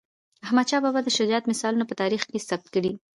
احمدشاه بابا د شجاعت مثالونه په تاریخ کې ثبت دي.